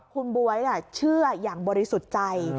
คุณบ๊วยเชื่ออย่างบริสุทธิ์ใจ